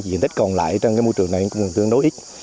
điện tích còn lại trong môi trường này cũng đối ích